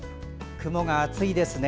雲が厚いですね。